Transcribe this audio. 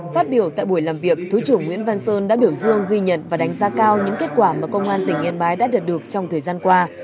phát biểu tại buổi làm việc thứ trưởng nguyễn văn sơn đã biểu dương ghi nhận và đánh giá cao những kết quả mà công an tỉnh yên bái đã đạt được trong thời gian qua